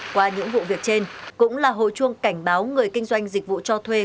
qua những vụ việc trên cũng là hồi chuông cảnh báo người kinh doanh dịch vụ cho thuê